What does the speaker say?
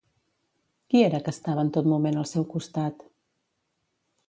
Qui era que estava en tot moment al seu costat?